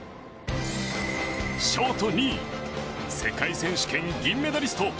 ショート２位世界選手権銀メダリスト